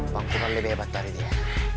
bangku kan lebih hebat dari dia